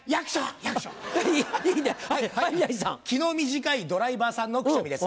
気の短いドライバーさんのくしゃみです。